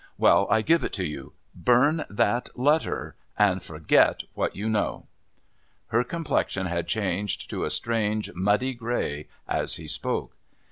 Well, I give it to you. Burn that letter and forget what you know." Her complexion had changed to a strange muddy grey as he spoke.